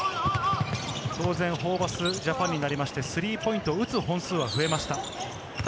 当然、ホーバスＪＡＰＡＮになって、スリーポイントを打つ本数は増えました。